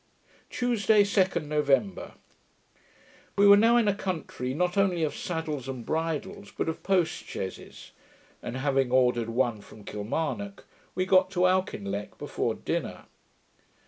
Tuesday, 2d November We were now in a country not only 'of saddles and bridles', but of post chaises; and having ordered one from Kilmarnock, we got to Auchinleck before dinner.